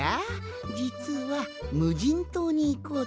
じつはむじんとうにいこうとおもってな。